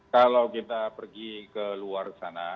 kalau kita pergi ke luar sana